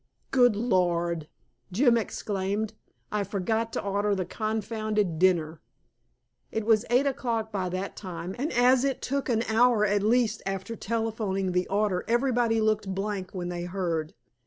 "Good Lord!" Jim exclaimed. "I forgot to order the confounded dinner!" It was eight o'clock by that time, and as it took an hour at least after telephoning the order, everybody looked blank when they heard.